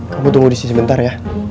kamu tunggu disini sebentar ya